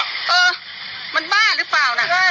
เออมันบ้าหรือเปล่านะ